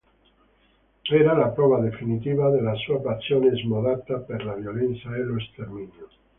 Era la prova definitiva della sua passione smodata per la violenza e lo sterminio.